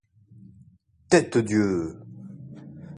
Tête-Dieu!